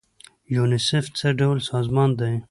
یونیسف څه ډول سازمان دی؟